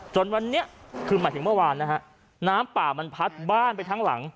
จนวันนี้คือหมายถึงเมื่อวานนะฮะน้ำป่ามันพัดบ้านไปทั้งหลัง